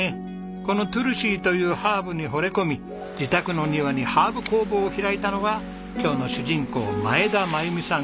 このトゥルシーというハーブに惚れ込み自宅の庭にハーブ工房を開いたのが今日の主人公前田真由美さん